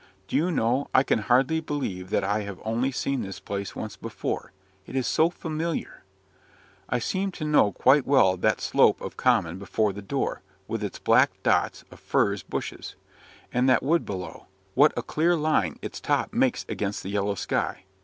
"Do you know, I can hardly believe that I have only seen this place once before; it is so familiar. I seem to know quite well that slope of common before the door, with its black dots of furze bushes. And that wood below; what a clear line its top makes against the yellow sky!